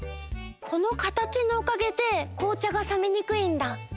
このかたちのおかげでこうちゃがさめにくいんだ。